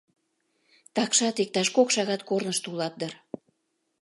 Такшат иктаж кок шагат корнышто улат дыр...